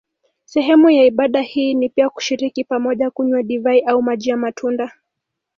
Sehemu ya ibada hii ni pia kushiriki pamoja kunywa divai au maji ya matunda.